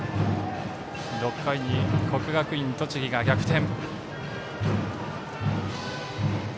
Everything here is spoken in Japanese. ６回に国学院栃木が逆転。